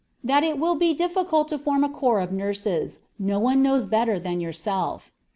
That it will be difficult to form a corps of nurses, no one knows better than yourself....